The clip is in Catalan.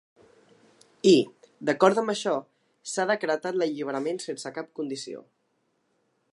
I, d’acord amb això, s’ha decretat l’alliberament sense cap condició.